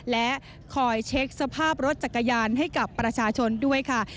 และคอยเช็คสภาพรถจักรยานให้กับประชาชนด้วยค่ะ